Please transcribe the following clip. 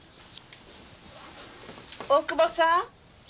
大久保さん。